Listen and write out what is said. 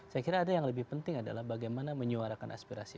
saya kira ada yang lebih penting adalah bagaimana menyuarakan aspirasi